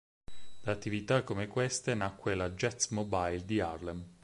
Da attività come queste nacque la "Jazz Mobile" di Harlem.